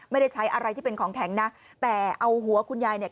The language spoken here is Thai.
ไม่ได้ใช้อะไรที่เป็นของแข็งนะแต่เอาหัวคุณยายเนี่ย